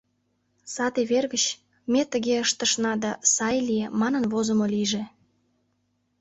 Саде вер гыч «ме тыге ыштышна да, сай лие» манын возымо лийже.